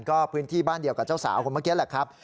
ก็พื้นที่บ้านเดียวกับเจ้าสาวคนเมื่อกี้แหละครับ